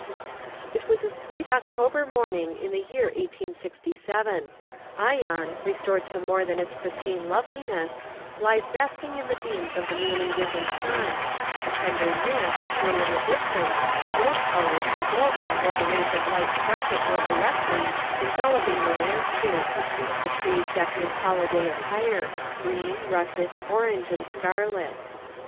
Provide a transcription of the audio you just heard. It is a sweet October morning in the year 1867. Ion, restored to more than its pristine loveliness, lies basking in the beams of the newly risen sun; a tender mist, gray in the distance, rose colored and golden where the rays of light strike it more directly, enveloping the landscape; the trees decked in holiday attire green, russet, orange, and scarlet.